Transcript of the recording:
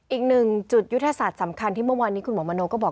อีกหนึ่งจุดยุทธศาสตร์สำคัญที่เมื่อวานนี้คุณหมอมโนก็บอก